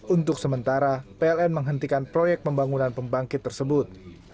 untuk sementara pln menghentikan proyek pembangunan pembangkit tersebut